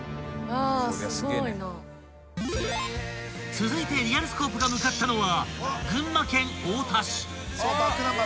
［続いてリアルスコープが向かったのは］